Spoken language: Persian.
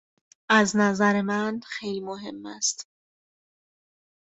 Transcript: از نظر من خیلی مهم است.